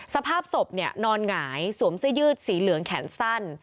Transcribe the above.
สภาพศพนอนหงายสวมเสื้อยืดสีเหลืองแขนสั้น